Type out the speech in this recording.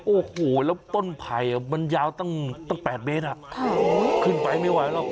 โอ้โหแล้วต้นไผ่มันยาวตั้ง๘เมตรขึ้นไปไม่ไหวหรอก